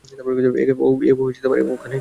এও ওখানে ছিলো।